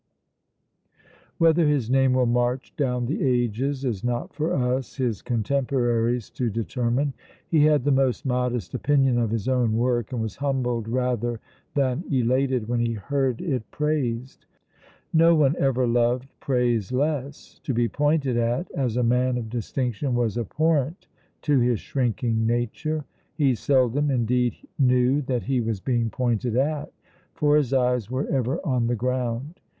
"Whether his name will march down the ages is not for us, his contemporaries, to determine. He had the most modest opinion of his own work, and was humbled rather than elated when he heard it praised. No one ever loved praise less; to be pointed at as a man of distinction was abhorrent to his shrinking nature; he seldom, indeed, knew that he was being pointed at, for his eyes were ever on the ground.